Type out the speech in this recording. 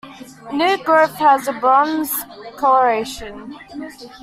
New growth has a bronze coloration.